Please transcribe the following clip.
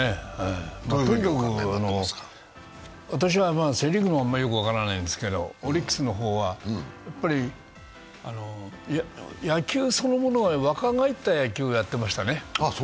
とにかく私はセ・リーグはあまりよく分からないんですが、オリックスの方は、野球そのものが若返った野球をやってました。